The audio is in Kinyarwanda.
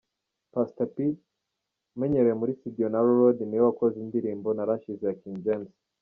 Pastor P, umenyerewe muri Studio Narrow Road, niwe wakoze indirimbo “Narashize” ya King James.